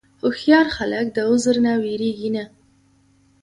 هوښیار خلک د عذر نه وېرېږي نه.